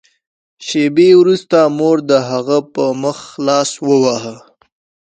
شېبې وروسته مور د هغه په مخ لاس وواهه